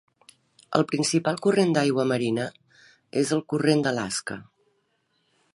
El principal corrent d'aigua marina és el corrent d'Alaska.